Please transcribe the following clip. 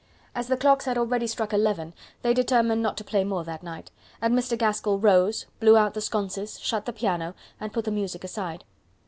As the clocks had already struck eleven, they determined not to play more that night; and Mr. Gaskell rose, blew out the sconces, shut the piano, and put the music aside.